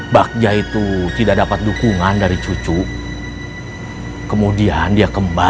bagja sudah tidak jelas arahnya